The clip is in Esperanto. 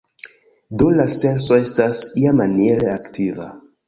Do la senso estas iamaniere aktiva.